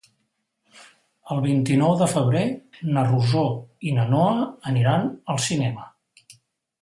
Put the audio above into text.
El vint-i-nou de febrer na Rosó i na Noa aniran al cinema.